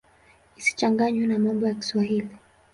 Isichanganywe na mambo ya Kiswahili.